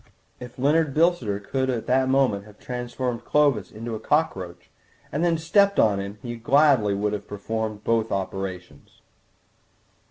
If Leonard Bilsiter could at that moment have transformed Clovis into a cockroach and then have stepped on him he would gladly have performed both operations.